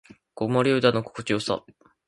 子守唄の心地よさ